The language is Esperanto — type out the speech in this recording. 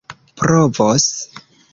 provos